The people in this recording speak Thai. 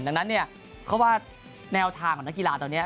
ดังนั้นเนี่ยเขาว่าแนวทางของนักกีฬาตอนนี้